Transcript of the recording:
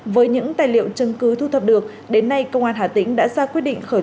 với những tài liệu chứng cứ thu thập được đến nay công an hà tĩnh đã ra quyết định khởi